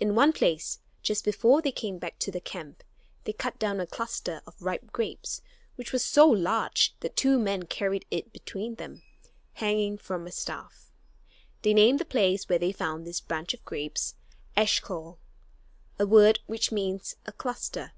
In one place, just before they came back to the camp, they cut down a cluster of ripe grapes which was so large that two men carried it between them, hanging from a staff. They named the place where they found this bunch of grapes Eshcol, a word which means "a cluster."